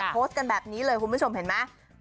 โพสต์กันแบบนี้เลยคุณผู้ชมเห็นไหม